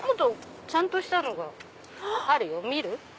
ちゃんとしたのがあるよ見る？